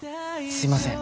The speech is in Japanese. すいません。